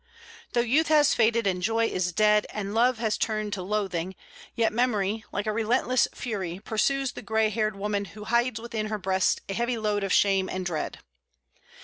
"Though youth has faded, and joy is dead, and love has turned to loathing, yet memory, like a relentless fury, pursues the gray haired woman who hides within her breast a heavy load of shame and dread."